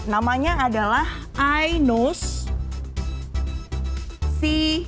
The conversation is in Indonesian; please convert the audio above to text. namanya adalah inose c sembilan belas